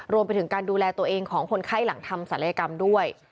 รวมไปถึงการดูแลตัวเองของคนไข้หลังทำศัลยกรรมด้วย